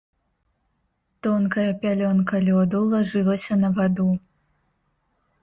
Тонкая пялёнка лёду лажылася на ваду.